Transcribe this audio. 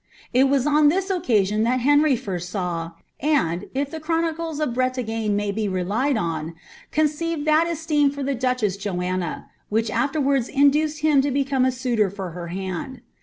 It was on this occasion that Henry first saw, and, if the chronicles of Bretagne may be relied on, conceived that esteem for the dochess Joanna, which afterwards induced him to become a suitor for her hand.